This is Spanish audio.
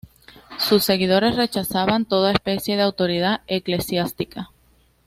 Sus seguidores rechazaban toda especie de autoridad eclesiástica.